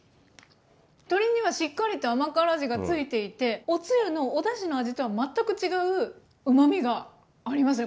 鶏にはしっかりと甘辛味が付いていておつゆのおだしの味とは全く違ううまみがありますね。